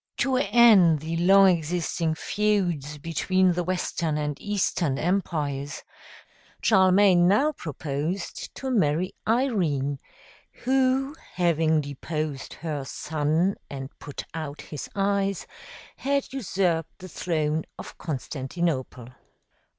To end the long existing feuds between the Western and Eastern Empires, Charlemagne now proposed to marry Irene, who, having deposed her son and put out his eyes, had usurped the throne of Constantinople.